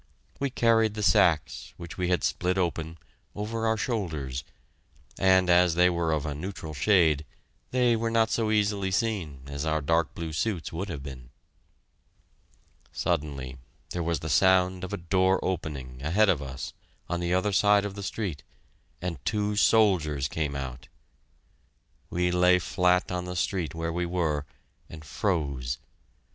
We carried the sacks, which we had split open, over our shoulders, and as they were of a neutral shade, they were not so easily seen as our dark blue suits would have been. Suddenly there was the sound of a door opening, ahead of us, on the other side of the street, and two soldiers came out! We lay flat on the street where we were, and "froze."